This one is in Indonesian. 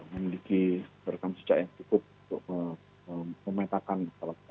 memiliki rekam jejak yang cukup untuk memetakan